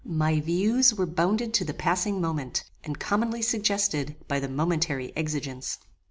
My views were bounded to the passing moment, and commonly suggested by the momentary exigence.